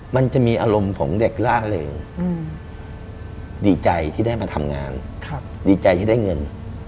มันจะมีอารมณ์ของเด็กล่าเริงดีใจที่ได้มาทำงานดีใจที่ได้เงิน